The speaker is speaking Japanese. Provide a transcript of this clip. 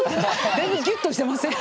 だいぶギュッとしてません？